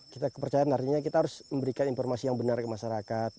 kita kepercayaan artinya kita harus memberikan informasi yang benar ke masyarakat